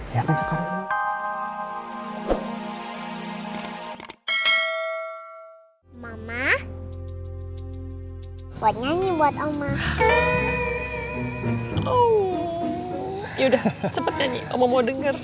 ya kan sekarang